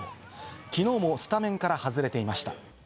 きのうもスタメンから外れていました。